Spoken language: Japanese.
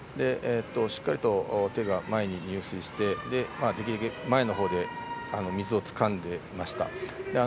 しっかりと手が前に入水してできるだけ前のほうで水をつかんでいました。